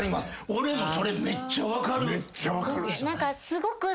俺もそれめっちゃ分かる。